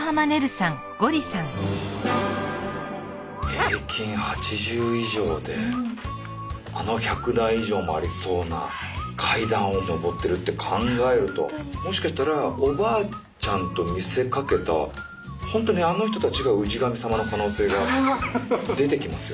平均８０以上であの１００段以上もありそうな階段を上ってるって考えるともしかしたらおばあちゃんと見せかけたホントにあの人たちが氏神様の可能性が出てきますよ。